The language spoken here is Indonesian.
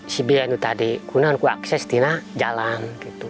si biaya itu tadi kita akses di jalan